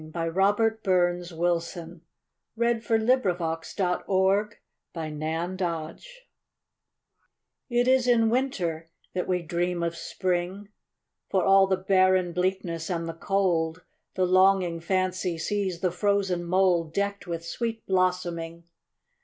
By Robert BurnsWilson 1047 It Is in Winter That We Dream of Spring IT is in Winter that we dream of Spring; For all the barren bleakness and the cold, The longing fancy sees the frozen mouldDecked with sweet blossoming.